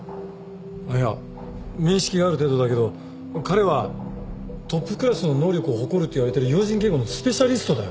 あっいや面識がある程度だけど彼はトップクラスの能力を誇るっていわれてる要人警護のスペシャリストだよ。